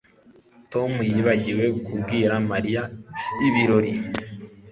Tom yibagiwe kubwira Mariya ibirori